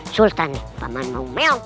sultan paman wamiu